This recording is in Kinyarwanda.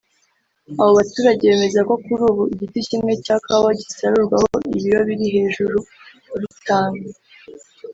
Abo baturage bemeza ko kuri ubu igiti kimwe cya kawa gisarurwaho ibiro biri hejuru ya bitanu